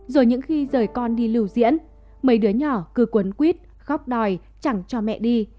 rồi những khi rời con đi lưu diễn mấy đứa nhỏ cư cuốn quýt khóc đòi chẳng cho mẹ đi